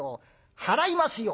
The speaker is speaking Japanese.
払いますよ！